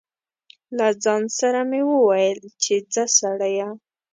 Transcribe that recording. له ځان سره مې و ویل چې ځه سړیه.